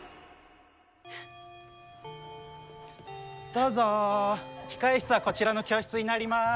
どうぞ控え室はこちらの教室になります。